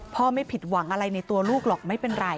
ไม่ผิดหวังอะไรในตัวลูกหรอกไม่เป็นไร